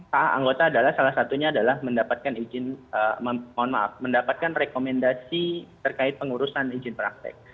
hak hak anggota adalah salah satunya adalah mendapatkan rekomendasi terkait pengurusan izin praktek